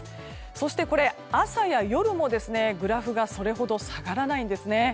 そして、朝や夜もグラフがそれほど下がらないんですね。